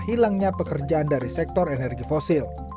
hilangnya pekerjaan dari sektor energi fosil